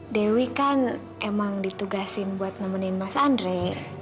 dewi kan emang ditugasin buat nemenin mas andre